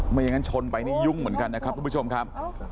ไม่อย่างนั้นชนไปนี่ยุ่งเหมือนกันนะครับทุกผู้ชมครับ